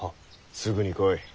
すぐに来い。